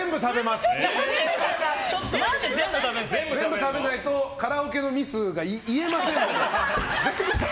全部食べないとカラオケのミスが癒えませんので。